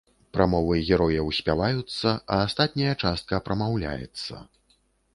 Прамовы герояў спяваюцца, а астатняя частка прамаўляецца.